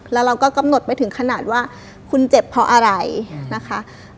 แล้วเราก็กำหนดไปถึงขนาดว่าคุณเจ็บเพราะอะไรนะคะ